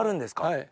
はい。